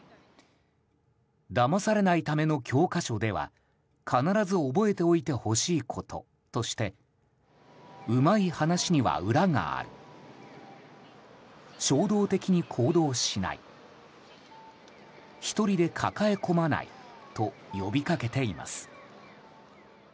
「騙されない為の教科書」では必ず覚えておいてほしいこととしてうまい話には裏がある衝動的に行動しない１人で抱え込まないと呼びかけています。